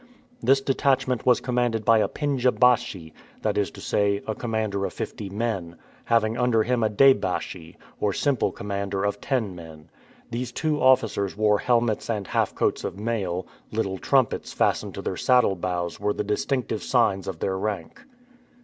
This detachment was commanded by a "pendja baschi"; that is to say, a commander of fifty men, having under him a "deh baschi," or simple commander of ten men. These two officers wore helmets and half coats of mail; little trumpets fastened to their saddle bows were the distinctive signs of their rank.